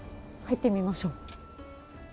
入ってみましょう。